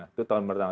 itu tahun pertama